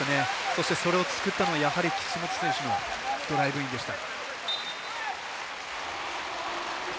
そして、それを作ったのはやはり岸本選手のドライブインでした。